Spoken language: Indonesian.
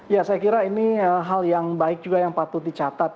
ya saya kira ini hal yang baik juga yang patut dicatat